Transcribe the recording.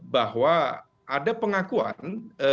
bahwa ada pengakuan